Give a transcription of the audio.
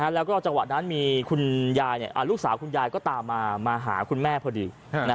แล้วก็จังหวะนั้นมีคุณยายลูกสาวคุณยายก็ตามมาหาคุณแม่พอดี